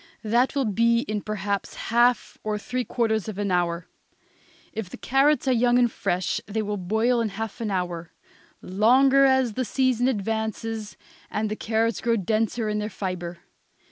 That will be in perhaps half or three quarters of an hour; if the carrots are young and fresh they will boil in half an hour; longer as the season advances and the carrots grow denser in their fibre.